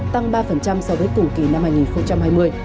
tăng ba so với cùng kỳ năm hai nghìn hai mươi